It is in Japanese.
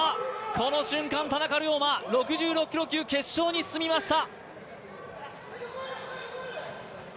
この瞬間、田中龍馬６６キロ級決勝に進みました。